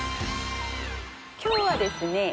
今日はですね